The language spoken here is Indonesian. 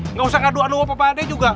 nggak usah ngadu anu apa pak deh juga